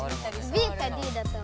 ＢかＤだと思う。